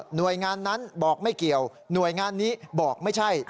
หน่วยงานนั้นบอกไม่เกี่ยวหน่วยงานนี้บอกไม่ใช่